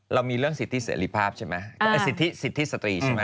เรามีเรื่องสิทธิเสรีภาพใช่ไหมสิทธิสิทธิสตรีใช่ไหม